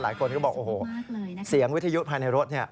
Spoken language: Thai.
หลายคนก็บอกโอ้โหเสียงวิทยุภายในรถเนี่ย